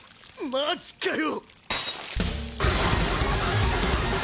マジかよ